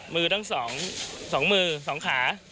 มือทั้ง๒มือ๒ขา